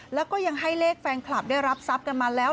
แล้วก็ยังให้เลขแฟนคลับได้รับทรัพย์กันมาแล้ว